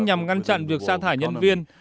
nhằm ngăn chặn việc xa thải nhân viên